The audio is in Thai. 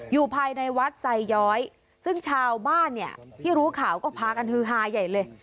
อยู่ภายในวัดไซย้อยซึ่งชาวบ้านเนี่ยที่รู้ข่าวก็พากันฮือฮาใหญ่เลย